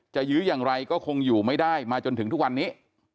จะยือยังไงอยู่ไม่ได้มาจนถึงทุกวันนี้